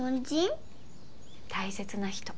大切な人。